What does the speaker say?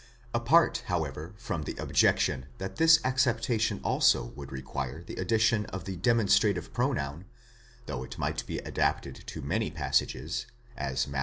Apart however from the objection that this acceptation also would require the addition of the demonstrative pronoun, though it might be adapted to many passages, as Matt.